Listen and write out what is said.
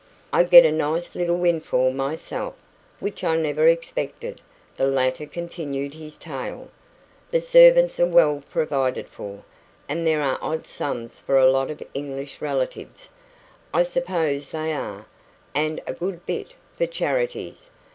"I get a nice little windfall myself, which I never expected," the latter continued his tale. "The servants are well provided for, and there are odd sums for a lot of English relatives I suppose they are and a good bit for charities.